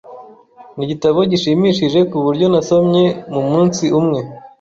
Nigitabo gishimishije kuburyo nasomye mumunsi umwe.